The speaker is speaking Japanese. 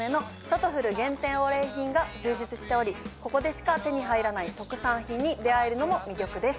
が充実しておりここでしか手に入らない特産品に出合えるのも魅力です。